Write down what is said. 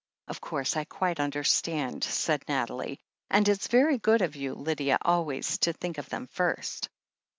"Of course I quite understand," said Nathalie, "and it's very good of you, Lydia, always to think of them first.